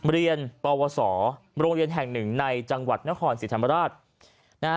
เรียนปวสโรงเรียนแห่งหนึ่งในจังหวัดนครศรีธรรมราชนะฮะ